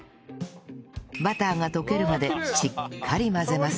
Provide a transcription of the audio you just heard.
バターが溶けるまでしっかり混ぜます